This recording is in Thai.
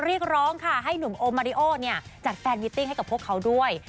เรียกร้องค่ะให้หนุ่มโอมาริโอเนี่ยจัดแฟนมิตติ้งให้กับพวกเขาด้วย